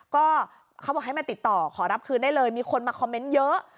ก็เขาบอกให้มาติดต่อขอรับคืนได้เลยมีคนมาคอมเมนต์เยอะ